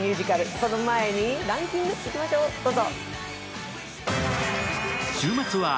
その前に、ランキングいきましょうどうぞ。